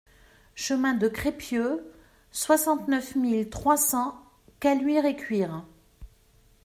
Chemin de Crépieux, soixante-neuf mille trois cents Caluire-et-Cuire